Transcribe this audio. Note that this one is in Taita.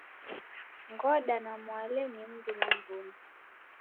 Ngoda na Mwale ni mundu na mruna.